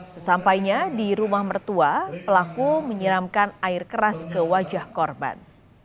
sesampainya di rumah mertua pelaku menyiramkan air keras ke wajah korban